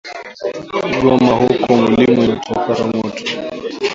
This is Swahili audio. Goma kuko mulima inatokaka moto